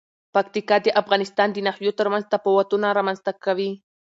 پکتیکا د افغانستان د ناحیو ترمنځ تفاوتونه رامنځ ته کوي.